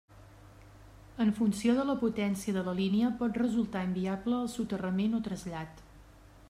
En funció de la potència de la línia pot resultar inviable el soterrament o trasllat.